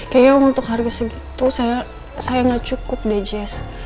kayaknya untuk harga segitu saya gak cukup deh jess